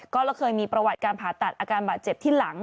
ก็แล้วเคยมีประวัติการผ่าตัดอาการบาดเจ็บที่หลัง